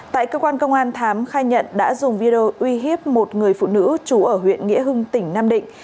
tại cơ quan công an thám khai nhận đã dùng video uy hiếp một người phụ nữ trú ở huyện nghĩa hưng tỉnh nam định